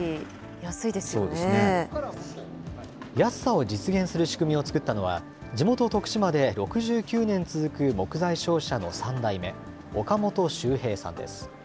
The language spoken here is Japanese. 安さを実現する仕組みを作ったのは、地元、徳島で６９年続く木材商社の３代目、岡元修平さんです。